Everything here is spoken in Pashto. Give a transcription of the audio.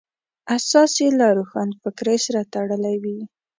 اساس یې له روښانفکرۍ سره تړلی وي.